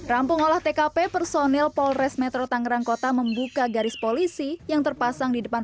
rampung olah tkp personil polres metro tangerang kota membuka garis polisi yang terpasang di depan